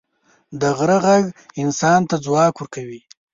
د غره ږغ انسان ته ځواک ورکوي.